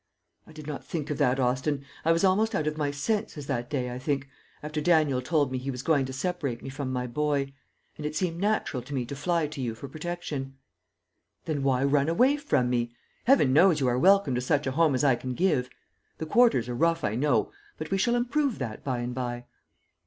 "I did not think of that, Austin; I was almost out of my senses that day, I think, after Daniel told me he was going to separate me from my boy; and it seemed natural to me to fly to you for protection." "Then why run away from me? Heaven knows, you are welcome to such a home as I can give. The quarters are rough, I know; but we shall improve that, by and by."